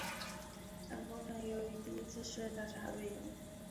但工程由于第一次世界大战而被延误。